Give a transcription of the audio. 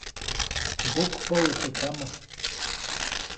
Mbokpäʼut teʼ pama.